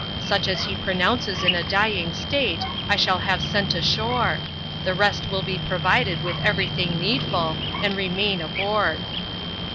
Such as he pronounces in a dying state I shall have sent ashore; the rest will be provided with every thing needful, and remain aboard."